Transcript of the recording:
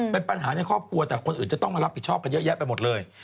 เป็นปัญหาในครอบครัวแต่คนอื่นจะต้องมารับผิดชอบกันเยอะแยะไปหมดเลย